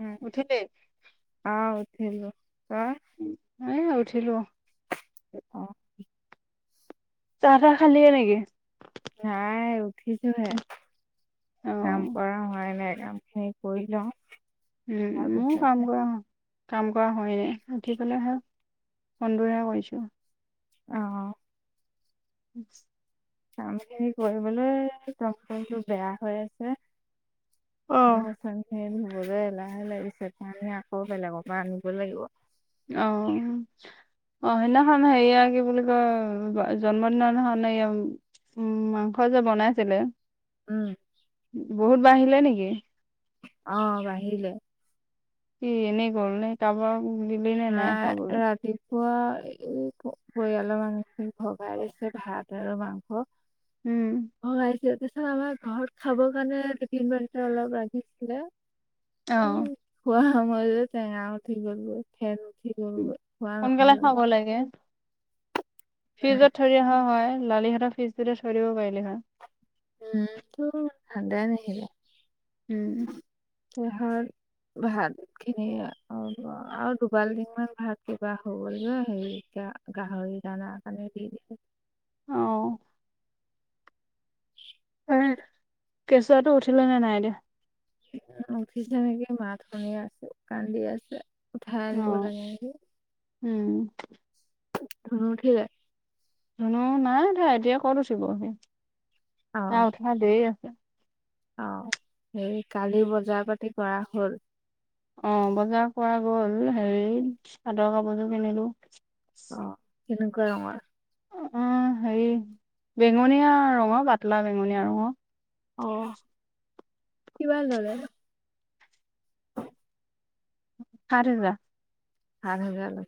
উম, উঠিলে অ' উঠিলো তই? উ খেলো অ চাহ তাহ খালে নেকি নাই উঠিছোহে অ কাম কৰা হোৱাই নাই সিন কৰিল উম ম কাম কৰা ন কাম কৰা হয়নে ৰাঠি পেলাই হ সন্দৰে কৰিছো আহ নি কাম খিনি কৰিবলৈ তমটো বেয়া হৈ আছে অ অব অ চ সেই ধুবলৈ এ লাহে লাগিছে তমে আকৌ বেলেগৰ পৰা আনিব লাগিব অ অ সেইদিনাখন সেয়া কি বুলি কয় জন্মদিনৰ দিদিনাখনয়া উম, মাংস যে বনাইছিলে। উম'। [unintelligible] বা আহিলে নেকি? অ' বাহিলে। কি এনেই গ'ল নে কাৰোবাক দিলি নে নাই খাবলৈ? পুৱা এই পৰিয়ালৰ মানুহখিনিক ভগাই দিছে ভাত আৰু মাংস। উম অ' আহিছে। আমাৰ ঘৰত খাবৰ কাৰণে দুট [unintelligible] অলপ লাগিছিলে। অ উ খোৱা মই টেঙা উঠি গৈছে ফেন। উঠি গ'লগৈ, খোৱা সোনকালে নহ'ল খাব আৰু। লাগে। ফ্ৰিজত থৰি অহা হয়, লালিহঁতৰ ফিজটোতে থৈ দিব পাৰিলি হয়। উম, ইটো ঠাণ্ডাই নাহিলে। উম'। কিহৰ ভাত খিনি অ' আৰু দুবাল দিনমান ভাত কিবা হ' গ'ল যে হেৰি গা গাহৰি দানা কাৰনে। অহ। এ কেঁচুৱাটো উঠিলে নে নাই এ দিয়া। উঠিছে নেকি মাত শুনি আছে, কান্দি আছে। উঠাই অ আনিব লাগে নেকি, উম উঠিলে। নো নাই তা এতিয়া ক'ত উঠিবহি, তা অ', উঠাহ দেৰি আছে। অ' সেই কালি বজাৰ পাতি কৰা হ'ল। অ' বজাৰ কৰা গ'ল, হেৰি চাদৰ কাপোৰযোৰ কিনিলো। অ' কেনেকুৱা ৰঙৰ। অ' হেৰি বেঙুনীয়া ৰঙৰ, পাতলা বেঙুনীয়া ৰঙৰ। অহ কিমান ললে। সাত হাজাৰ। সাত হাজাৰ,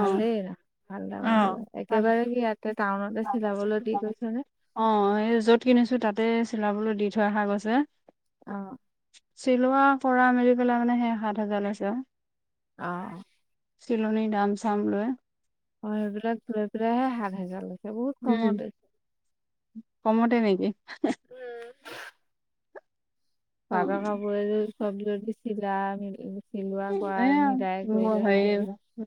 ভালেই। ভাল দামতে অ', পায়। একেবাৰে কি ইয়াতে টাউনতে চিলাবলৈ দি গৈছে নে -অ' যত কিনি ছো তাতে চিলাবলৈ দি থৈ অহা গৈছে, অ চিলোৱা পৰা মৰি পেলাই মানে সেই সাত হাজাৰ লৈছে আৰু অহ। চিলনি দাম-চাম লয়। অ' সেইবিলাক লৈ পেলাইহে সাত হোজাৰ লৈছে বহুত উম কমতে। কমতে নেকি? অ পাটৰ কাপোৰ এযোৰ চব যদি চিলাই মে এ হেৰি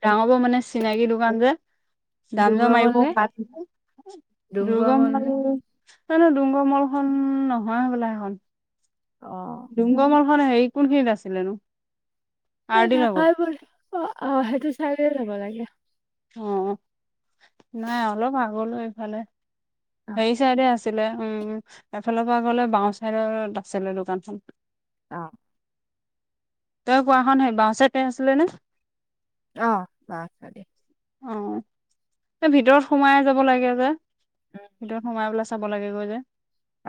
ডাঙৰ বৌৰ মানে চিনাকি দোকান যে দাম-দৰ ডুমৰা মল মাৰিব, নে সাত ডুমগড় দুৰ্গম মল হ'ল নে ন ন নহয় ডুংগৰ মল খন, নহয় হ'বলা সেইখন। অ ডুংগমল হেৰি কোনখিনিত আছিলেনো? আৰ এ' ডি লগত নখাই বল অ' আহ' সেইটো চাইয়ে যাব লাগে। অ' নাই অলপ আগলৈও ইফালে অ হেৰি চাইডে আছে। ছিলে উম' এফালৰ পৰা গ'লে, বাওঁ চাইডত আছিলে দোকানখন। অ'। তই পোৱাখন সেই বাওঁচাইতে আছিল নে? অহ' বাওঁ চাইডে। অ' ভিতৰত সোমাই যাব লাগে যে, ভিতৰত সোমাই পেলে চাব লাগে গৈ যে।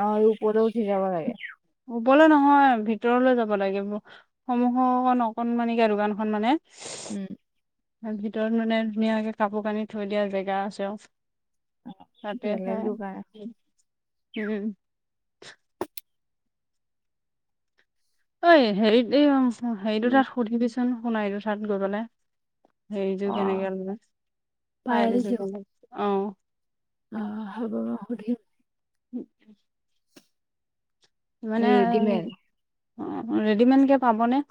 অ' ওপৰত উঠি যাব লাগে। ওপৰলৈ নহয়, ভিতৰলৈ যাব লাগে। সমূহৰ অকণ অকণমানিকে দোকানখন মানে উম'' ত ভিতৰত মানে, ধুনীয়াকে কাপোৰ-কানি থৈ দিয়া জেগা আছে আৰু। সতে বেলেগ হ দোকান উম''। অঐ, হেৰিত, এই কি হেৰিটো তাত সুধিবিচোন শুনা এইটো তাত গৈ পলে। সেইযো অ কেনেকৈে য কেনে- অ হ'ব ব সুধিয়- উম'' মানে ৰেডিমেড ৰেডিমেডকে পাবনে?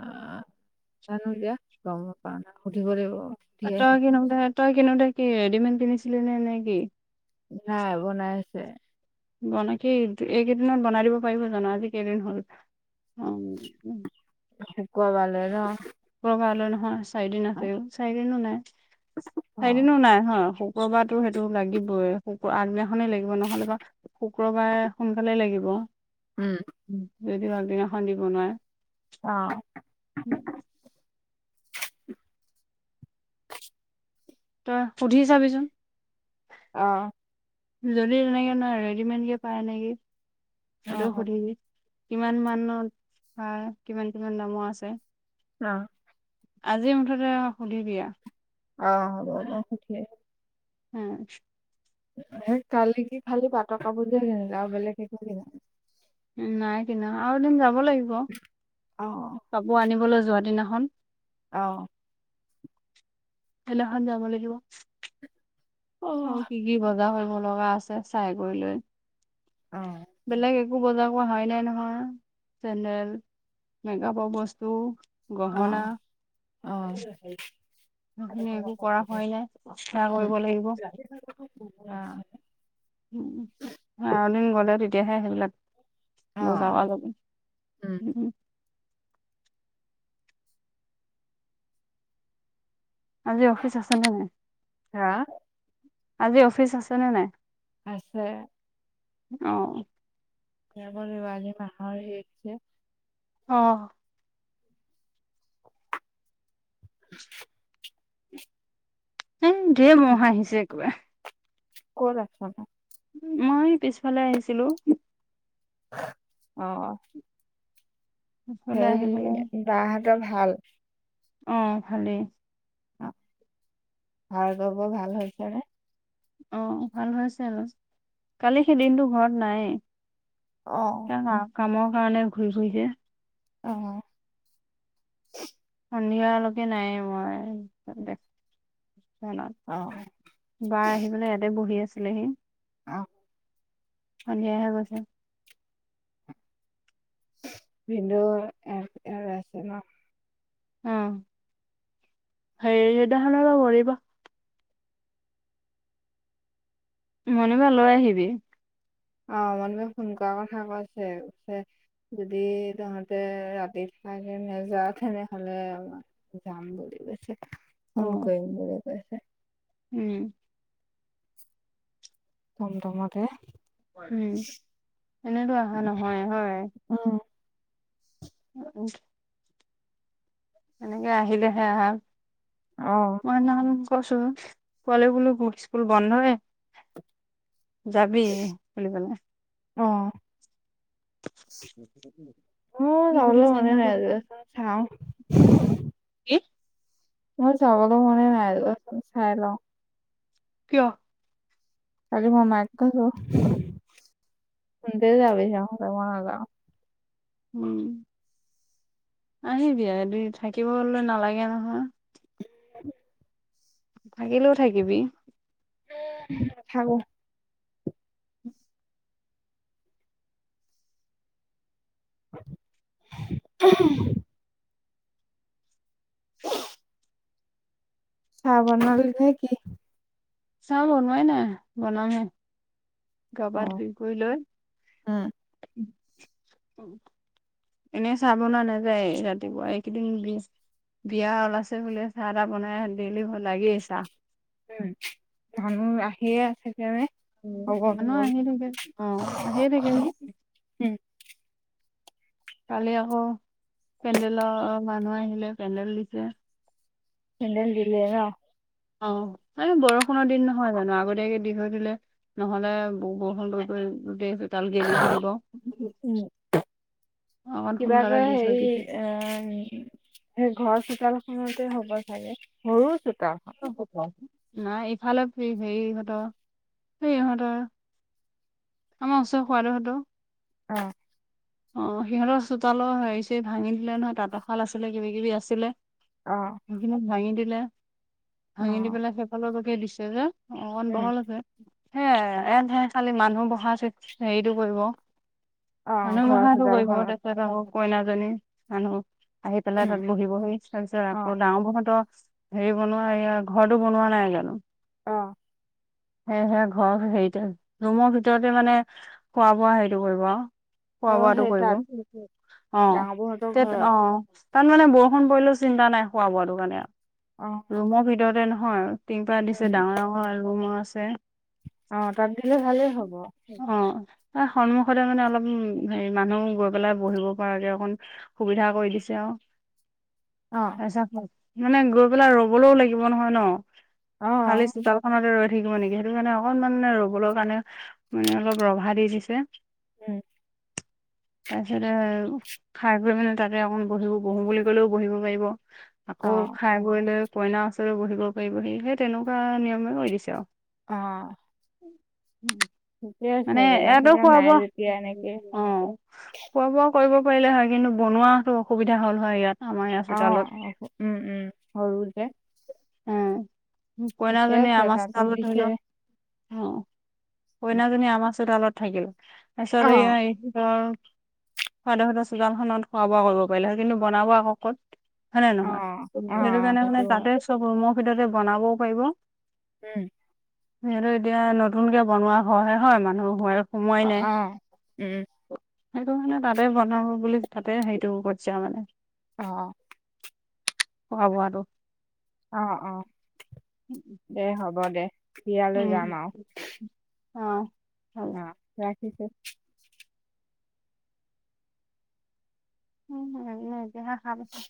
অ'' জানো দিয়া গম প নাই,, সুধিব লাগিব। সুধি তই আহিম কি ন-তই কি ন দে কি ৰেডমে কিনিছিলি নে নে কি? নাই বনাই আছে। বন কিেই এইকেইদিনত বনাই দিব পাৰিব জানো? আজি কেইদিন হল শুকুৱাবালে ন? ক কাৰলৈ নহয়, চাৰিদিন আছেও, চাৰিদিনো নাই- অ চাৰিদিনো নাই। শুক্ৰবাৰতো সেইটো লাগিবই, শুক আগদিনাখনেই লাগিবনহলে বাৰু শুক্ৰবাৰে সোনকালেই লাগিব উম' যদিও আগদিনাখন দিিব নোৱাৰে। অ'' তই সুধি চাবিচোন। আহ'' যদি তেনেকে নহয়, ৰেডিমেড কেে পায় নেকি? সহও অ সুধিবি। কিমান মানৰ হয়, কিমান-কিমান দামৰ আছে। অ'' আজি মুঠতে সুধিবিিয়। আহ'বব সঠে। উ'' কালি কি, খালি বাটৰ কাপোৰ যে কিনিলে আৰু বেলেগ একো কিন? উ'' নাই কিনা আৰু এদিন যাব লাগিব, অ পাব আনিবলৈ যোৱা দিনা- ন। আহ'' সেইদিনাখন যাব লাগিব। অ কি-কি বজা হয়- নলা আছে চাই কৰি লৈ। অ'' বেলেগ একো বজাৰ কৰা হয় নাই নহয়। চেনেৰেল- মেকআপৰ বস্তু, অ গহনা- অ'' সেইখিনি একো কৰা [unintelligible] হোৱাই নাই সেয়া কৰিব লাগিব আৰু দিন গ'লে তেতিয়াহে সেইবিলাক অ মজাৱ লাব উ উম [unintelligible] আজি অফিচ আছে নে নাই হা আজি অফিচ আছে নে নাই আছে অহ স বিব আজি মাৰ শেষছে [unintelligible] অঁহ [unintelligible] এ ধেৰ মহ হা আহিছে একেবাৰে ক'ত আছা মই পিছফালে আহিছিলো অহ পিছফালে সেই আহি পেলাই বাহতৰ ভাল অ' ভালেই। অ' ভাৰ্গৱৰ ভাল হৈছে নে। অঁহ, ভাল হৈছে অলপ কালি সেই দিনতটো ঘৰত নায়েই। অ'। তাৰ কামৰ কাৰণে ঘূৰি ফুৰিছে। অহ, সন্ধিয়ালৈকে নাই মই দে। অ', বাই আহি পেলাই ইয়াতে বহি আছিলেহি। অ', সন্ধিয়াই হে গৈছে। ভিনদেও আছে ন। উম, হে সেইদিনাখন কৰিবা। মনেবা লৈ আহিবি। অ' মন বাই ফোন কৰা কথা কৈছে যদি তহঁতে ৰাতি। পে নেযোৱা তেনেহলে যাম বুলি কৈছে। অ ফোন কৰিম বুলি কৈছে। উম ফোণটো মতে। উম, এনেতো অহা নহয় হয়। উম, উম-উম, এনেকে আহিলেহে আহা অ', মই সেইদিনা খন। কচোন কোৱাল বলো স্কুল বন্ধ হয়। যাবি বুলিবলে। অ', [unintelligible] উ যাবলৈ সুধিছে মনে সিহঁতে নাই চাও। কি? মোৰ যাবলৈ মনে নাই চাই লওঁ। কিয়? আজি মই মাইক কৈছোঁ। স দে যাব শ মনাাল [inaudible] উম, আহিবি দু থাকিবলে নালাগে নহয়। উ [unintelligible] থাকিলেও থাকিবি। হব উ [unintelligible] চাহ বনালি নে কি? চাহ বনোৱাই নাই বনামহে। গাপা অ', ধুই কৰি লৈ, উম, এনেই চাব বনোৱা নাযায় ৰাতিপুৱা এইকেইদিন বি বিয়া ওলাইছে বুলে চাহ তাহ বনাই দেইলি ভাল লাগেই চাহ। উম, মানুহ আহিয়ে আছে। হব-হব মানুহ আহি থাকে অ আহিয়ে থাকে যে উম, কালি আকৌ পেনডেলৰ মানুহ আহিলে পেন্দেল দিছে। পেণ্ডেল দিলে ন। অ' এই বৰষুণৰ দিন নহয় জানো আগতীয়াকে দি থৈ দিলে নহলে বৰষুণ বৈ গৈ দে চোতাল গেলি থাকিব। উম, অকন কিবা সোনকালে কয় দি থৈ হেৰি দিছে। অ' সেই ঘৰ চোতাল খতে হ'ব চাগে সৰু চো অ, [unintelligible] নাই ইফালে হেৰি ইহঁতৰ সেই ইহঁতৰ। আমাৰ ওচৰ খোৱাদো সটো অ অ সিহঁতৰ চোতালৰ হেৰি চ ভাঙি দিলে নহয় তাঁতৰশাল আছিলে কিবি কিবি আছিলে অ', সেইখিন ভাঙি দিলে ভাঙি দি অ', পেলাই সেইফালৰকে দিছে যে অ অণ উম, বহল আছে হে এহে খালি মানুহ বহাচ হেৰিতটো কৰিব অ', নানে ঘৰৰ মাহ আৰু গিব চোতালখনত দেকাৰ হ কইনাজনী মানুহ আহি পেলাই উম, তাত বহি বহি তাৰ পিছত অ', আকৌ ডাওৰ বহতৰ হেৰি বনোৱা এই ঘৰতো বনোৱা নাই জানো অ সেয়েহেে ঘৰৰ হেৰিতে ৰুমৰ ভিতৰতে মানে খোৱা বোৱা হেৰিটো কৰিব আৰু খোৱা অ', বোৱাতটো সেই কৰিব তাত অ ডাঙৰ বৌহঁতৰ তে অ ঘৰত তাৰ মানে বৰষুণ পৰিলেও চিন্তা নাই খোৱা বোৱাটো কাৰণে অ', আৰু ৰুমৰ ভিতৰতে নহয় টিংপা দিছে উম, ডাঙৰ ডাঙৰ আলগুম আছে অ তাত দিলে ভালেই হব অ সন্মুখতে মানে অলপ উ হেৰি মানুহ গৈ পেলাই বহিব পৰাকে অকণ সুবিধা কৰি দিছে আৰু মানে গৈ পেলাই ৰবলৈও লাগিব নহয় ন খালি অ', চোতালখনতে ৰৈ থিকিব নেকি সেইটো কাৰণে অকনমান ৰবলৈৰ কাৰণে মানে অলপ ৰভা দি দিছে উম তাৰ পিছতে খাৰ গ মানে তাতে অকণ বহিব বহো বুলি কলেও বহিব পাৰিব আকৌ অ', খাই বৈ ললে কইনাাৰ ওচৰে বহিব পাৰিবহি সেই তেনেকুৱা নিয়মে কৰি দিছে আৰু অ ঠিকে আছে মানে জেগা ইয়াাতো চেগা খুৱাব নাই অ যেতিয়া এনেকে খোৱা বোৱা কৰিব পাৰিলে হয় কিন্তু বনোৱাাতো অসুবিধা হল হয় ইয়াত আমাৰ ইয়াৰ অ চোতালত উম উম সৰু যে উ ঠিকে কইনাজনী আছে আমাৰছ তাতো তাল দিছে ধৰিলো অ উম, কইনাজনী আমাৰ চোতালত থাকিল অ তাৰপিছত কাৰ সোৱদ সদ চোগান খত খোৱা বোৱা কৰিব পাৰিলে কিন্তু বনাব আকৌ ক'ত হয় নে অ নহয় অ সেইটো কাৰণে মানে হয় তাতে চব ৰুমৰ ভিতৰতে বনাবও পাৰিব উম সিহতো এতিয়া নতুন কেে বনোৱা হয় হয় মানুহ হয় অ উম সেইটো কাৰণে তাতে বনাব বুলি তাতে হেৰিটো কছা মানে অহ পব আৰু অ অ দে হ'ব দে বিয়ালৈ উম অ হ ৰাখিছো উম হমতিয়া হা খ বছা